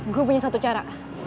gue punya satu cara